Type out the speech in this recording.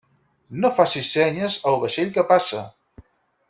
No facis senyes al vaixell que passa.